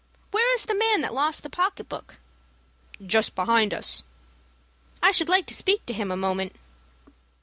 Where is the man that lost the pocket book?" "Just behind us." "I should like to speak to him a moment."